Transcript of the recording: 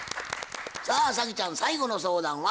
さあ早希ちゃん最後の相談は？